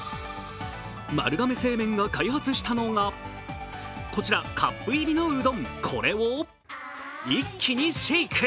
丸亀製麺が開発したのがこちら、カップ入りのうどん、これを一気にシェイク。